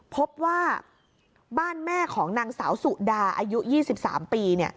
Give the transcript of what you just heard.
พบว่าบ้านแม่ของนางสาวสุดาอายุ๒๓ปี